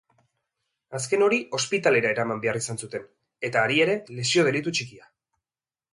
Azken hori ospitalera eraman behar izan zuten, eta hari ere lesio-delitu txikia.